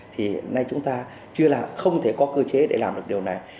thì hiện nay chúng ta chưa làm không thể có cơ chế để làm được điều này